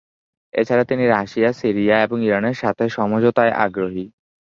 এছাড়া তিনি Russia, Syria এবং ইরানের সাথে সমঝোতায় আগ্রহী।